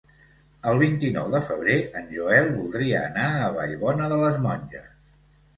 El vint-i-nou de febrer en Joel voldria anar a Vallbona de les Monges.